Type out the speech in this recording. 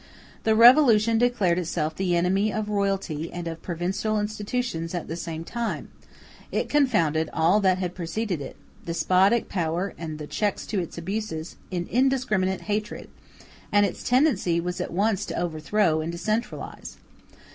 The Revolution declared itself the enemy of royalty and of provincial institutions at the same time; it confounded all that had preceded it—despotic power and the checks to its abuses—in indiscriminate hatred, and its tendency was at once to overthrow and to centralize.